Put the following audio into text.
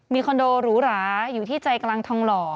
มีคอนโดหรูหราอยู่ที่ใจกลางทองหล่อ